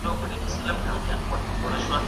مسواک د دماغو د قوت لپاره ډېر مهم دی.